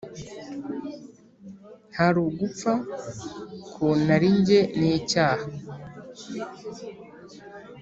Hari ugupfa ku narijye n’icyaha